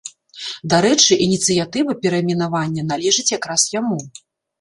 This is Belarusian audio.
Дарэчы, ініцыятыва перайменавання належыць якраз яму.